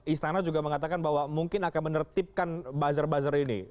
istana juga mengatakan bahwa mungkin akan menertibkan buzzer buzzer ini